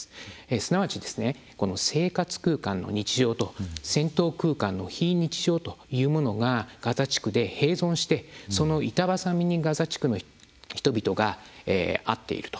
すなわち、生活空間の日常と戦闘空間の非日常というものがガザ地区で並存してその板挟みにガザ地区の人々があっていると。